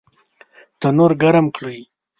تنور ګرم کړئ